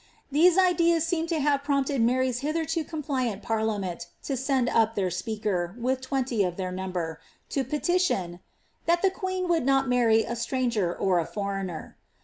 Theae ideas seem to have prompted Mary's hitherto compliant parliament to •end up their speaker, with twenty of their number, to ppiition ^^ that llie queen would not marry a stranger or a foreigner."